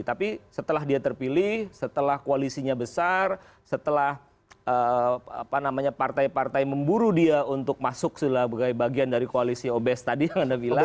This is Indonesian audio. tapi setelah dia terpilih setelah koalisinya besar setelah partai partai memburu dia untuk masuk sebagai bagian dari koalisi obes tadi yang anda bilang